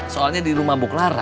soalnya di rumah buklara